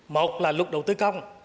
một là luật đầu tư công